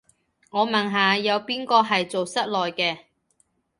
我問下，有邊個係做室內嘅